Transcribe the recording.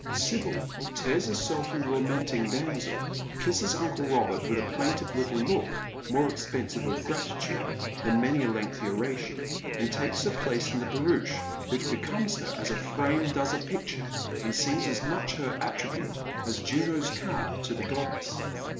Sibyl tears herself from the lamenting damsel, kisses uncle Robert with a plaintive little look more expressive of gratitude than many a lengthy oration, and takes her place in the barouche, which becomes her as a frame does a picture, and seems as much her attribute as Jvno's car to the goddess.